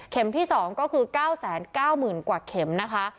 เข็มที่สองก็คือเก้าแสนเก้าหมื่นกว่าเข็มนะคะ